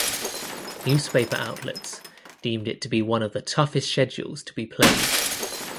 Newspaper outlets deemed it to be one of the toughest schedules to be played.